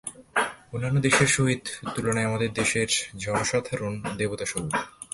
অন্যান্য দেশের সহিত তুলনায় আমাদের দেশের জনসাধারণ দেবতাস্বরূপ।